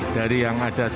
dari yang ada di indonesia